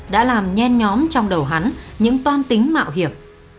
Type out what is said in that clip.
đã làm nhen nhóm trong đầu hắn những toan tính mạo hiểm